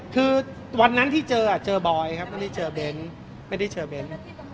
คือวันนั้นที่เจอเจอบอยครับไม่ได้เจอเบ้นไม่ได้เจอเบ้น